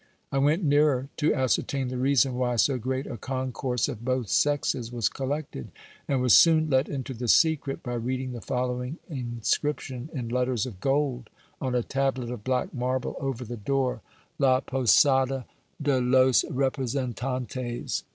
I went nearer, to ascertain the reason why so great a concourse of both sexes was collected, and was soon let into the secret by reading the following inscription in letters of gold on a tablet of black marble over the door : La Posada de los Representantes.